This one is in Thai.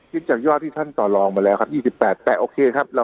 จากยอดที่ท่านต่อลองมาแล้วครับ๒๘แต่โอเคครับ